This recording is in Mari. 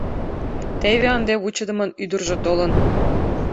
Теве ынде вучыдымын ӱдыржӧ толын.